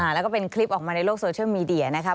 แล้วก็เป็นคลิปออกมาในโลกโซเชียลมีเดียนะครับ